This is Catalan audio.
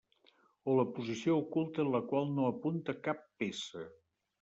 O la posició oculta en la qual no apunta cap peça.